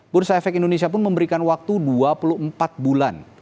bursa efek indonesia pun memberikan waktu dua puluh empat bulan